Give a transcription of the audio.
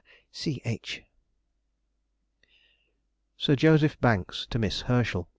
C. H. SIR JOSEPH BANKS TO MISS HERSCHEL.